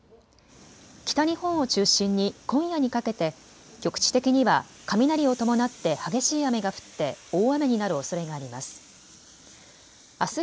北日本を中心に今夜にかけて局地的には雷を伴って激しい雨が降って大雨になるおそれがあります。